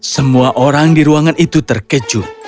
semua orang di ruangan itu terkejut